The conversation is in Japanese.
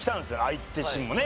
相手チームもね。